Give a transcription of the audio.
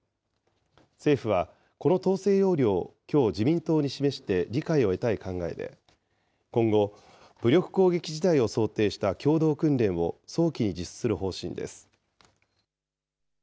政府は、この統制要領を、きょう自民党に示して、理解を得たい考えで、今後、武力攻撃事態を想定した共同訓練を早期に実施する方針です。